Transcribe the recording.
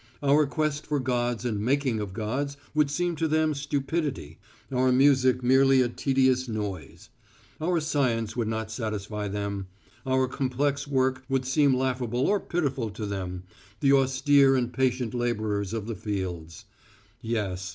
Our quest for gods and making of gods would seem to them stupidity, our music merely a tedious noise. Our science would not satisfy them. Our complex work would seem laughable or pitiful to them, the austere and patient labourers of the fields. Yes.